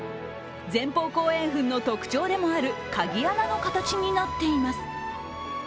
前方後円墳の特徴でもある鍵穴の形になっています。